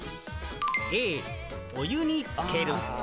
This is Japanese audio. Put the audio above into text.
Ａ・お湯につける。